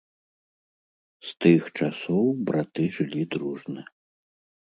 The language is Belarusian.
З тых часоў браты жылі дружна.